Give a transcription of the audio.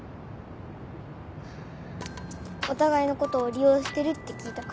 お互いのことを利用してるって聞いたから。